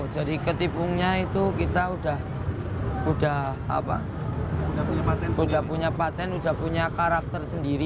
jadi ketipunya itu kita udah punya patent udah punya karakter sendiri